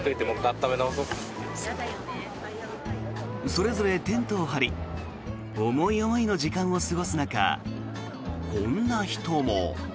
それぞれテントを張り思い思いの時間を過ごす中こんな人も。